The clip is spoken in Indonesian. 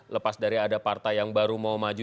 lepas dari ada partai yang baru mau maju